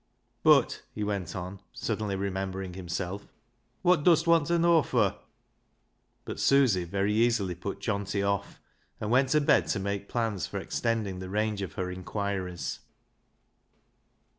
]]ut," he went on, suddenly remembering himself, " what dust want ta know fur ?" Jiut Susy very easily put Johnty off, and went to bed to make plans for extending the range of her inquiries.